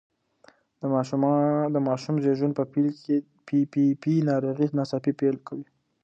د ماشوم زېږون په پیل کې پي پي پي ناروغي ناڅاپي پیل کوي.